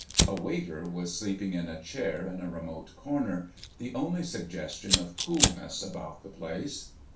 A waiter was sleeping in a chair in a remote corner, the only suggestion of coolness about the place.